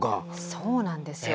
そうなんですよ。